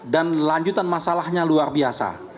dan lanjutan masalahnya luar biasa